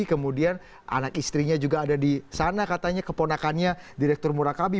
kemudian anak istrinya juga ada di sana katanya keponakannya direktur murakabi